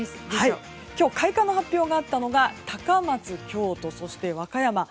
今日、開花の発表があったのが高松、京都そして和歌山。